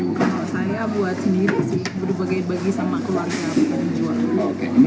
saya buat sendiri sih berbagai bagi sama keluarga